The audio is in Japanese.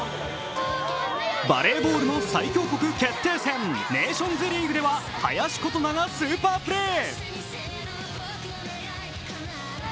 バレーボールの最強国決定戦、ネーションズリーグでは林琴奈がスーパープレー。